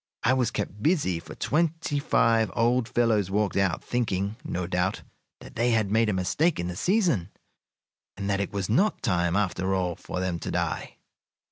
I was kept busy, for twenty five old fellows walked out, thinking, no doubt, that they had made a mistake in the season, and that it was not time, after all, for them to die.